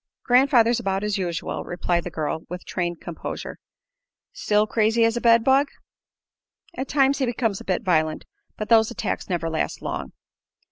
"Grandfather's about as usual," replied the girl, with trained composure. "Still crazy as a bedbug?" "At times he becomes a bit violent; but those attacks never last long."